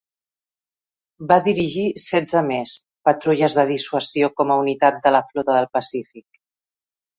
Va dirigir setze més patrulles de dissuasió com a unitat de la flota del Pacífic.